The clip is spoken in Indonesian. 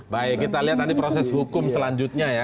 baik kita lihat nanti proses hukum selanjutnya ya